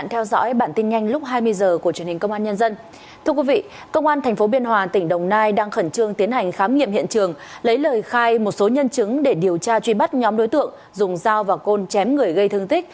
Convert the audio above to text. hãy đăng ký kênh để ủng hộ kênh của chúng mình nhé